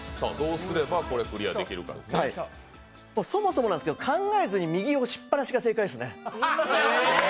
そもそも考えずに右押しっぱなしが正解ですね。